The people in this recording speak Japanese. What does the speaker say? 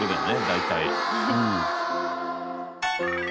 大体。